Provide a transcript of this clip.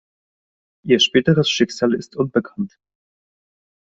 Ihr späteres Schicksal ist unbekannt.